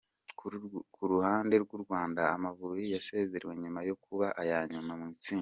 Ku ruhande rw’u Rwanda, Amavubi yasezerewe nyuma yo kuba aya nyuma mu itsinda.